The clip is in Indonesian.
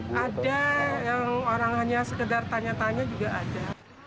ada orang hanya sekedar tanya tanya juga ada